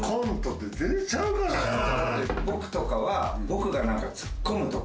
僕とかは。